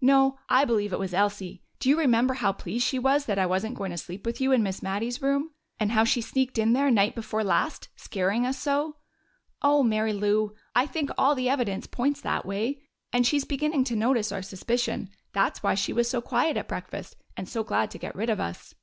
"No, I believe it was Elsie. Do you remember how pleased she was that I wasn't going to sleep with you in Miss Mattie's room? And how she sneaked in there night before last, scaring us so? Oh, Mary Lou, I think all the evidence points that way. And she's beginning to notice our suspicion. That's why she was so quiet at breakfast and so glad to get rid of us."